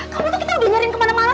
kamu tuh kita udah nyariin kemana mana